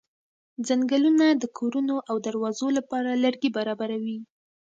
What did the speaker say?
څنګلونه د کورونو او دروازو لپاره لرګي برابروي.